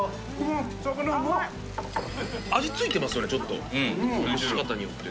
味ついてますね、ちょっと、蒸し方によって。